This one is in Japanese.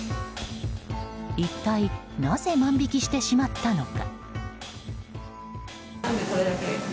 一体なぜ万引きしてしまったのか。